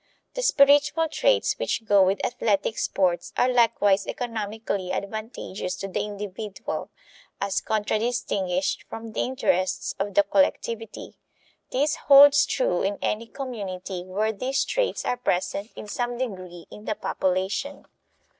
The spiritual traits which go with athletic sports are likewise economically advantageous to the individual, as contradistinguished from the interests of the collectivity. This holds true in any community where these traits are present in some degree in the population.